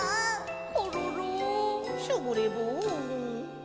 「コロロン」「ショボレボン」